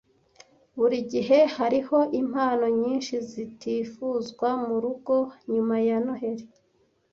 Buri gihe hariho impano nyinshi zitifuzwa murugo nyuma ya Noheri.